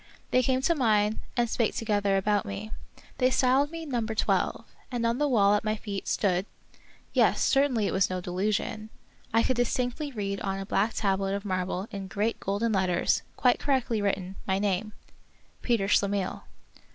They came to mine, and spake together about me. They styled me Number Twelve ; and on the wall at my feet stood — yes, certainly it was no delusion — I could distinctly read on a black tablet of marble in great golden letters, quite correctly written, my name, — PETER SCHLEMIHL.